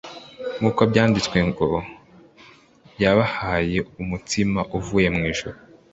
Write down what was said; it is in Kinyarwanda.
nk'uko byanditswe ngo : Yabahaye umutsima uvuye mu ijuru.»